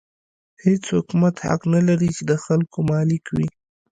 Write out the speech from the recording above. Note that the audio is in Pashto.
هېڅ حکومت حق نه لري چې د خلکو مالک وي.